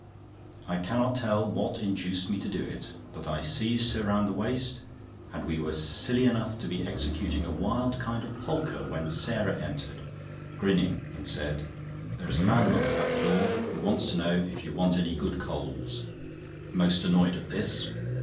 I cannot tell what induced me to do it, but I seized her round the waist, and we were silly enough to be executing a wild kind of polka when Sarah entered, grinning, and said: "There is a man, mum, at the door who wants to know if you want any good coals." Most annoyed at this.